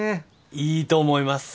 いいと思います。